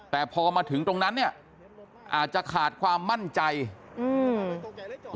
แต่พอมาถึงตรงนั้นเนี้ยอาจจะขาดความมั่นใจอืม